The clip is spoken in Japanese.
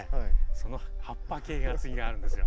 その葉っぱ系が次にあるんですよ。